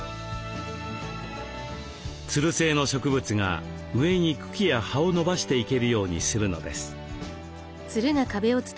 つる性の植物が上に茎や葉を伸ばしていけるようにするのです。